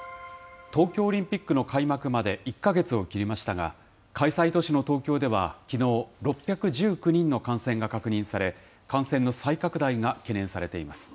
東京オリンピックの開幕まで１か月を切りましたが、開催都市の東京ではきのう、６１９人の感染が確認され、感染の再拡大が懸念されています。